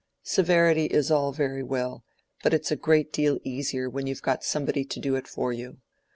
Severity is all very well, but it's a great deal easier when you've got somebody to do it for you.